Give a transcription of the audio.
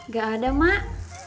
gak ada mak